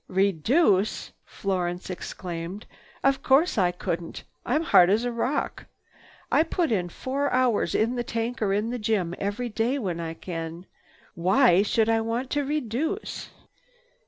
"Reduce!" Florence exclaimed. "Of course I couldn't. I'm hard as a rock. I put in four hours in the tank or the gym every day when I can. Why should I want to reduce?"